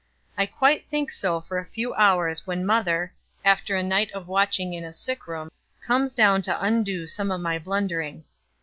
I quite think so for a few hours when mother, after a night of watching in a sick room, comes down to undo some of my blundering.